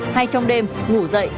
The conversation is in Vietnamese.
hay trong đêm ngủ dậy